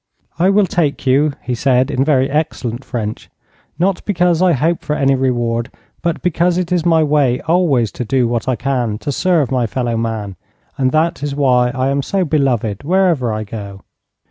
'I will take you,' he said, in very excellent French, 'not because I hope for any reward, but because it is my way always to do what I can to serve my fellow man, and that is why I am so beloved wherever I go.'